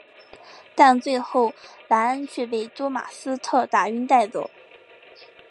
但最后莱恩却被多马斯特打晕带走。